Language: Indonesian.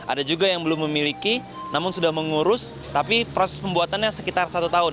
ada juga yang belum memiliki namun sudah mengurus tapi proses pembuatannya sekitar satu tahun